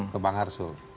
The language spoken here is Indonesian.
ke bang harsul